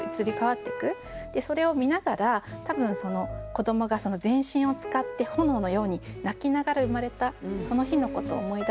それを見ながら多分子どもが全身を使って炎のように泣きながら生まれたその日のことを思い出してる。